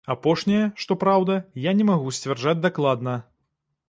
Апошняе, што праўда, я не магу сцвярджаць дакладна.